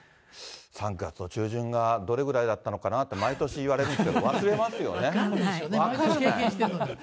３月の中旬がどれぐらいだったのかなって、毎年言われるんで分かんない。